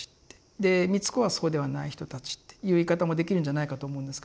で美津子はそうではない人たちっていう言い方もできるんじゃないかと思うんですけども。